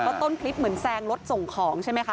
เพราะต้นคลิปเหมือนแซงรถส่งของใช่ไหมคะ